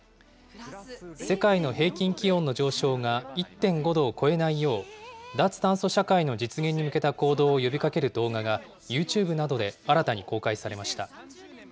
世界の平均気温の上昇が１．５度を超えないよう、脱炭素社会の実現に向けた行動を呼びかける動画が、ＹｏｕＴｕｂｅなどで新たに公開されました。